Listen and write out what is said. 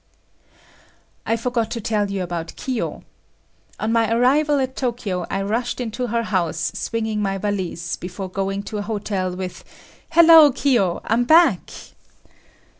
I forgot to tell you about Kiyo. On my arrival at Tokyo, I rushed into her house swinging my valise, before going to a hotel, with "Hello, Kiyo, I'm back!"